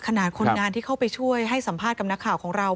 ขนาดคนงานที่เข้าไปช่วยให้สัมภาษณ์กับนักข่าวของเรา